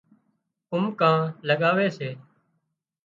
قومڪان لڳاوي سي